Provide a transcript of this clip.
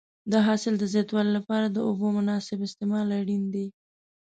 د حاصل د زیاتوالي لپاره د اوبو مناسب استعمال اړین دی.